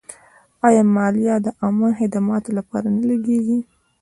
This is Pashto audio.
آیا مالیه د عامه خدماتو لپاره نه لګیږي؟